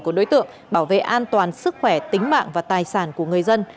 của đối tượng bảo vệ an toàn sức khỏe tính mạng và tài sản của người dân